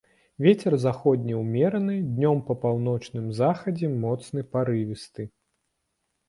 Вецер заходні ўмераны, днём па паўночным захадзе моцны парывісты.